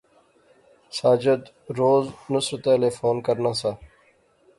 ساجد روز نصرتا لے فون کرنا سا